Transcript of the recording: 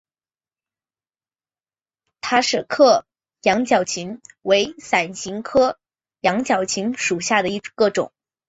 塔什克羊角芹为伞形科羊角芹属下的一个种。